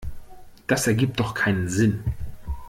Das ergibt doch keinen Sinn.